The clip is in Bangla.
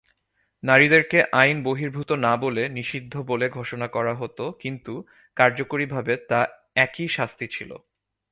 নারীদেরকে আইন-বহির্ভূত না বলে "নিষিদ্ধ" বলে ঘোষণা করা হত কিন্তু কার্যকরীভাবে তা একই শাস্তি ছিল।